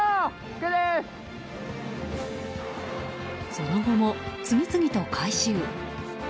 その後も次々と回収。